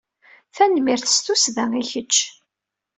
Tanemmirt s tussda i kečč.